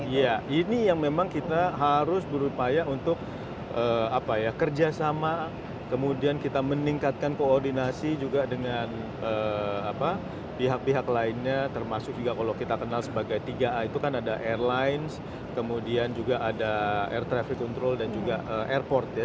ya ini yang memang kita harus berupaya untuk kerjasama kemudian kita meningkatkan koordinasi juga dengan pihak pihak lainnya termasuk juga kalau kita kenal sebagai tiga a itu kan ada airlines kemudian juga ada air traffic control dan juga airport ya